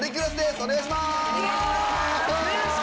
お願いします。